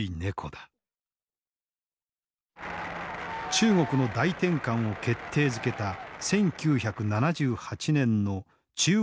中国の大転換を決定づけた１９７８年の中央委員会全体会議。